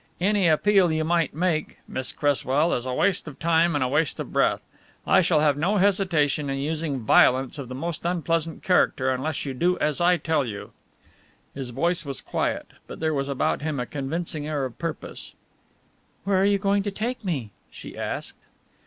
"Any appeal you might make, Miss Cresswell, is a waste of time and a waste of breath. I shall have no hesitation in using violence of the most unpleasant character unless you do as I tell you." His voice was quiet, but there was about him a convincing air of purpose. "Where are you going to take me?" she asked.